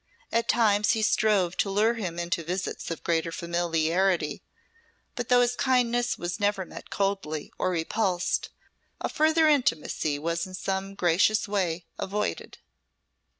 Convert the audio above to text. At times he strove to lure him into visits of greater familiarity; but though his kindness was never met coldly or repulsed, a further intimacy was in some gracious way avoided.